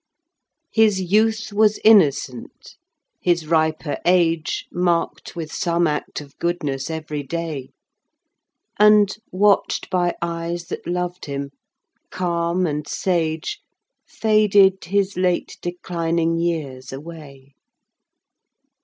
"His youth was innocent; his riper age Marked with some act of goodness every day; And watched by eyes that loved him, calm, and sage, Faded his late declining years away.